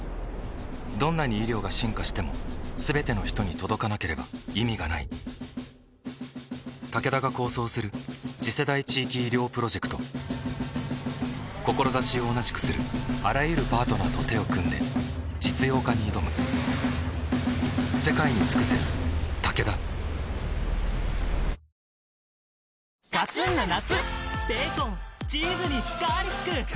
どんなに医療が進化しても全ての人に届かなければ意味がないタケダが構想する次世代地域医療プロジェクト志を同じくするあらゆるパートナーと手を組んで実用化に挑むまるで観光旅行だなどと物議を醸している自民党女性局のフランス研修。